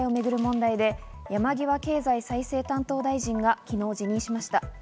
旧統一教会をめぐる問題で山際経済再生担当大臣が昨日辞任しました。